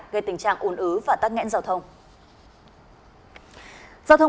gây tình trạng ồn ứ và tắc nghẽn giao thông